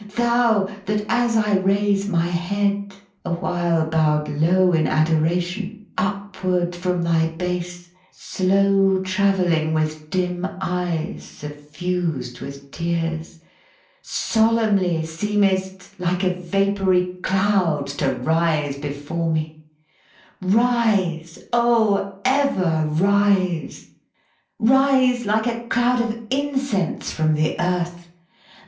thou That as I raise my head, awhile bowed low In adoration, upward from thy base Slow travelling with dim eyes suffused with tears, Solemnly seemest like a vapory cloud, To rise before me Rise, O ever rise, Rise like a cloud of incense, from the Earth!